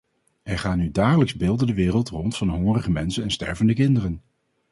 Er gaan nu dagelijks beelden de wereld rond van hongerige mensen en stervende kinderen.